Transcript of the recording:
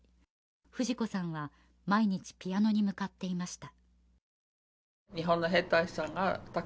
フジコさんは毎日ピアノに向かっていました。